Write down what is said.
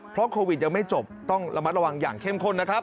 เพราะโควิดยังไม่จบต้องระมัดระวังอย่างเข้มข้นนะครับ